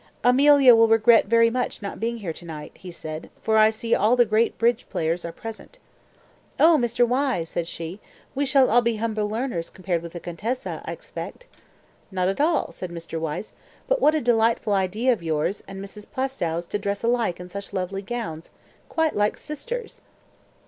"Amelia will regret very much not being here to night," he said, "for I see all the great bridge players are present." "Oh, Mr. Wyse!" said she. "We shall all be humble learners compared with the Contessa, I expect." "Not at all!" said Mr. Wyse. "But what a delightful idea of yours and Mrs. Plaistow's to dress alike in such lovely gowns. Quite like sisters."